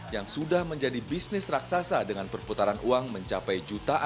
yang sudah menjadi bisnis raksasa dengan perputaran uang mencapai jutaan